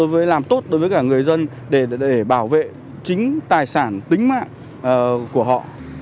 với làm tốt đối với cả người dân để bảo vệ chính tài sản tính mạng của họ